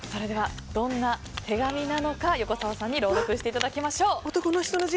どんな手紙なのか横澤さんに朗読していただきましょう。